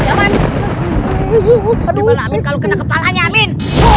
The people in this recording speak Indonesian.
gimana kalau kena kepalanya amin